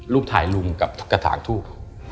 ถ่ายลุงกับกระถางทูบ